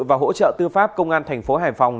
và hỗ trợ tư pháp công an thành phố hải phòng